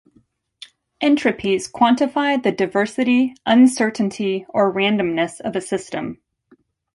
Entropies quantify the diversity, uncertainty, or randomness of a system.